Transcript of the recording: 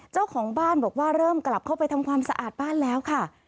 เจ้าของบ้านบอกว่าเริ่มกลับเข้าไปทำความสะอาดบ้านแล้วค่ะ